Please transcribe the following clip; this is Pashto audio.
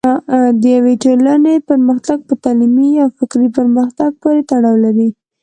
د یوې ټولنې پرمختګ په تعلیمي او فکري پرمختګ پورې تړاو لري.